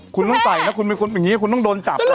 คุณต้องใส่นะคุณมีคุณแบบนี้คุณต้องโดนจับ